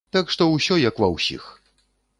Так што ўсё як ва ўсіх.